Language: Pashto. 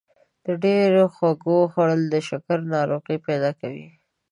د ډېرو خوږو خوړل د شکر ناروغي پیدا کوي.